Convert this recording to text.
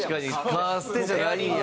カーステじゃないんや。